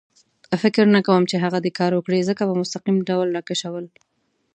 فکر نه کوم چې هغه دې کار وکړي، ځکه په مستقیم ډول را کشول.